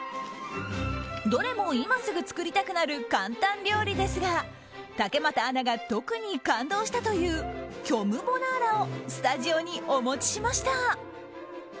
どれも今すぐ作りたくなる簡単料理ですが竹俣アナが特に感動したという虚無ボナーラをスタジオにお持ちしました。